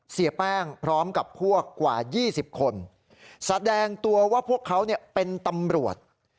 เสียแป้งพร้อมกับพวกกว่า๒๐คนแสดงตัวว่าพวกเขาเป็นตำรวจ